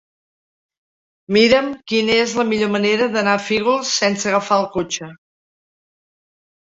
Mira'm quina és la millor manera d'anar a Fígols sense agafar el cotxe.